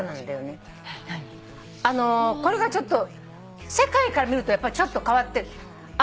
これが世界から見るとやっぱりちょっと変わってる。